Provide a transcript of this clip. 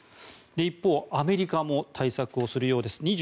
一方、アメリカも対策をするようです。